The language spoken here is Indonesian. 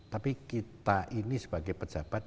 tapi kita ini sebagai pejabat